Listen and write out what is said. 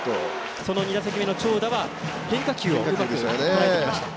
その２打席目の長打は変化球を入れてきました。